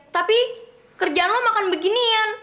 tapi kerjaan lo makan beginian